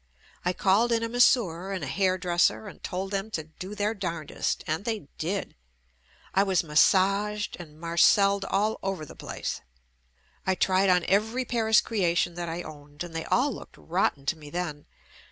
I called in a masseur and a hairdresser and told them to do their darndest — and they did. I was massaged and marcelled all over the place. I tried on every Paris creation that I owned, JUST ME and they all looked rotten to me then.